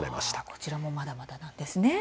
こちらもまだまだなんですね。